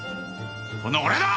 この俺だ！